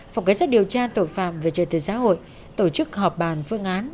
phòng cái sát điều tra tội phạm về trợ tử xã hội tổ chức họp bàn phương án